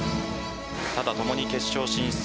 ただ、共に決勝進出